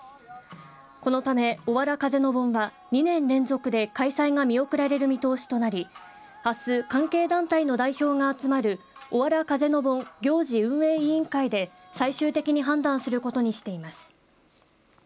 このため、おわら風の盆は２年連続で開催が見送られる見通しとなりあす関係団体の代表が集まるおわら風の盆行事運営委員会で最終的に判断することにしています。